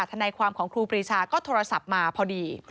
ทนายความของครูปรีชาก็โทรศัพท์มาพอดี